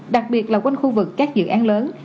đặc biệt là quanh khu vực các dự án lớn